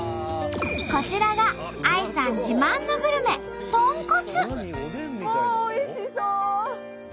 こちらがＡＩさん自慢のグルメもうおいしそう！